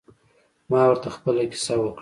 ما ورته خپله کیسه وکړه.